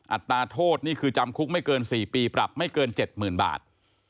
อัตราโทษนี่คือจำคุกไม่เกิน๔ปีปรับไม่เกิน๗๐๐๐บาท